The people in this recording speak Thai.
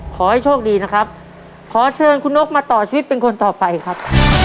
ขอให้โชคดีนะครับขอเชิญคุณนกมาต่อชีวิตเป็นคนต่อไปครับ